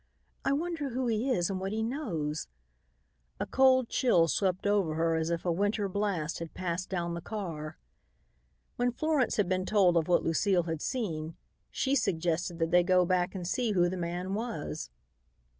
I wonder who he is and what he knows." A cold chill swept over her as if a winter blast had passed down the car. When Florence had been told of what Lucile had seen, she suggested that they go back and see who the man was.